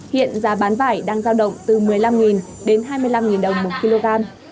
hiện giá bán vải đang giao động từ một mươi năm đến hai mươi năm đồng một kg